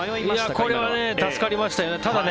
これは助かりましたね。